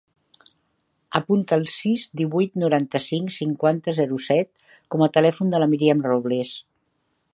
Apunta el sis, divuit, noranta-cinc, cinquanta, zero, set com a telèfon de la Míriam Robles.